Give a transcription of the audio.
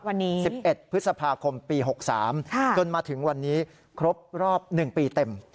วันนี้๑๑พฤษภาคมปี๖๓จนมาถึงวันนี้ครบรอบ๑ปีเต็ม